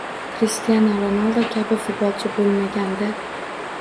Krishtianu Ronaldo kabi futbolchi bo‘lmaganda